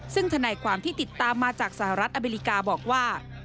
ซึ่งธนายความที่ติดตามมาจากสหรัฐอเมริกาบอกว่า